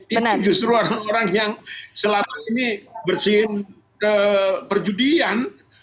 ini justru orang orang yang selama ini bersihin perjudian